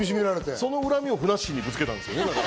その怒りをふなっしーにぶつけたんですよね。